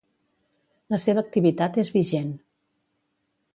La seva activitat és vigent.